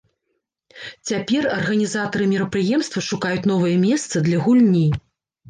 Цяпер арганізатары мерапрыемства шукаюць новае месца для гульні.